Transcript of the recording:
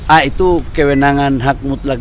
ah itu kewenangan hak mutlak